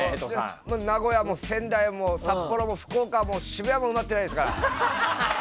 名古屋も仙台も札幌も福岡も渋谷も埋まってないですから。